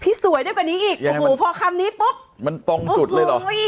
สวยได้กว่านี้อีกโอ้โหพอคำนี้ปุ๊บมันตรงจุดเลยเหรอ